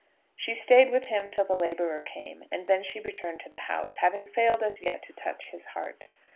She stayed with him till the labourer came, and then she returned to the house, having failed as yet to touch his heart.